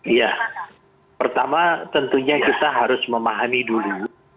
iya pertama tentunya kita harus memahami dulu